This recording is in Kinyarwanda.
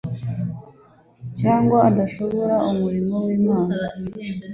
cyangwa atashobora umurimo w'Imana.